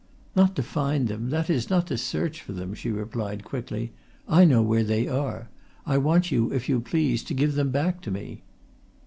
"Not to find them, that is, not to search for them," she replied quickly. "I know where they are. I want you, if you please, to give them back to me."